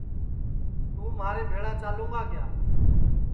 توں مھارے بھیݪا چالوں گا کیا